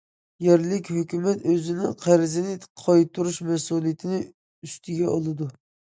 يەرلىك ھۆكۈمەت ئۆزىنىڭ قەرزىنى قايتۇرۇش مەسئۇلىيىتىنى ئۈستىگە ئالىدۇ.